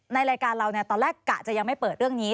ในรายการเราตอนแรกกะจะยังไม่เปิดเรื่องนี้